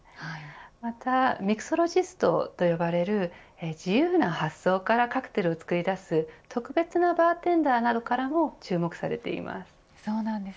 またミクソロジストと呼ばれる自由な発想からカクテルをつくり出す特別なバーテンダーなどからも注目されています。